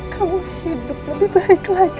kamu hidup lebih baik lagi